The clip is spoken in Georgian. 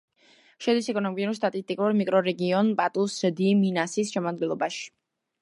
შედის ეკონომიკურ-სტატისტიკურ მიკრორეგიონ პატუს-დი-მინასის შემადგენლობაში.